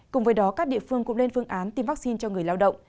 cùng với đó các địa phương cũng lên phương án tiêm vaccine cho người lao động